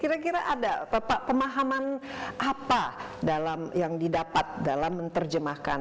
kira kira ada pemahaman apa yang didapat dalam menerjemahkan